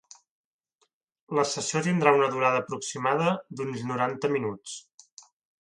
La sessió tindrà una durada aproximada d’uns noranta minuts.